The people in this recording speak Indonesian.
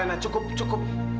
alena cukup alena cukup